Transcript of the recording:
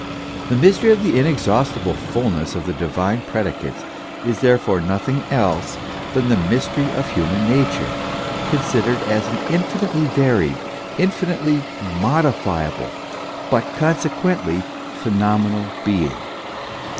The mystery of the inexhaustible ful ness of the divine predicates is therefore nothing else than the mystery of human nature considered as an infinitely varied, in finitely modifiable, but, consequently, phenomenal being.